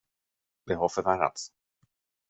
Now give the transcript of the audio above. Det har förvärrats.